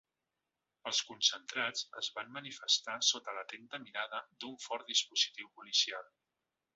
Els concentrats es van manifestar sota l’atenta mirada d’un fort dispositiu policial.